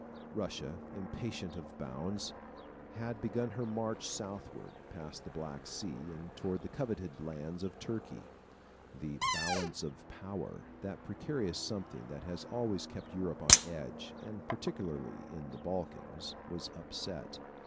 Russia, impatient of bounds, had begun her march southward, past the Black Sea, and toward the coveted lands of Turkey. The "balance of power," that precarious something that has always kept Europe on edge and particularly in the Balkans was upset.